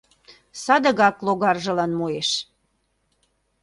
Садыгак логаржылан муэш.